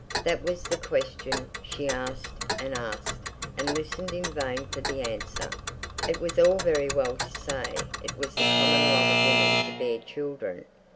That was the question she asked and asked, and listened in vain for the answer. It was all very well to say it was the common lot of women to bear children.